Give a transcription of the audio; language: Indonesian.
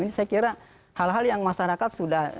ini saya kira hal hal yang masyarakat sudah